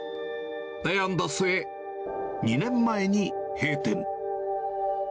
悩んだ末、２年前に閉店。